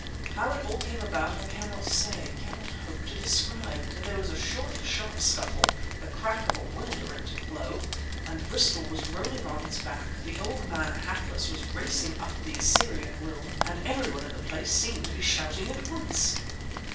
How it all came about I cannot say, cannot hope to describe; but there was a short, sharp scuffle, the crack of a well directed blow ... and Bristol was rolling on his back, the old man, hatless, was racing up the Assyrian Room, and everyone in the place seemed to be shouting at once!